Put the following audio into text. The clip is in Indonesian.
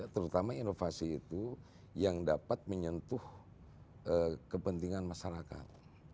terutama inovasi itu yang dapat menyentuh kepentingan masyarakat